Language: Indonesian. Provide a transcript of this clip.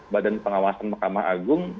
badan pengawasan mahkamah agung